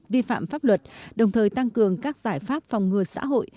vi phạm pháp luật đồng thời tăng cường các giải pháp phòng ngừa xã hội